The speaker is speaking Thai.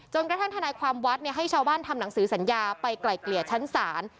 ทนายความวัดให้ชาวบ้านทำหนังสือสัญญาไปไกล่เกลี่ยชั้นศาล